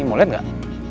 mau liat gak